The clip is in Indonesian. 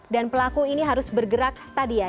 dan pelaku ini harus bergerak tadi ya